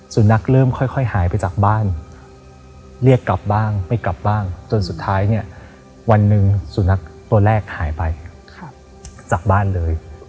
เริ่มค่อยหายไปจากบ้านเรียกกลับบ้างไม่กลับบ้างจนสุดท้ายเนี่ยวันหนึ่งสุนัขตัวแรกหายไปจากบ้านเลย